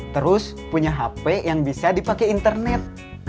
terus punya hp yang bisa dipakai internet